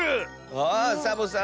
あサボさん